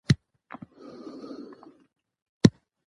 ژورنالیستان باید سمه پښتو وکاروي.